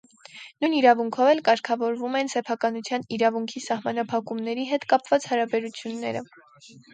Նույն իրավունքով էլ կարգավորվում են սեփականության իրավունքի սահմանափակումների հետ կապված հարաբերությունները։